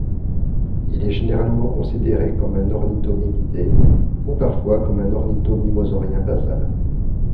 Il est généralement considéré comme un ornithomimidé ou parfois comme un ornithomimosaurien basal.